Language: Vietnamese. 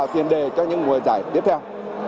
và nó tạo tiền đề cho những mùa giải tiếp theo